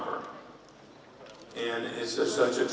dan ini adalah peluang yang sangat luas untuk perusahaan kami